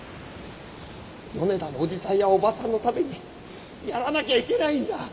米田のおじさんやおばさんのためにやらなきゃいけないんだ。